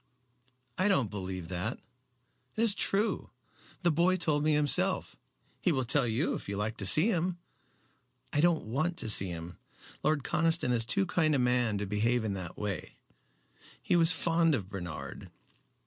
"I don't believe that." "It is true. The boy told me himself. He will tell you if you like to see him." "I don't want to see him. Lord Conniston is too kind a man to behave in that way. He was fond of Bernard."